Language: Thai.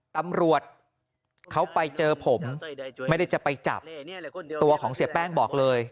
ตำรวจเขาไปเจอผมไม่ได้จะไปจับตัวของเสียแป้งบอกเลย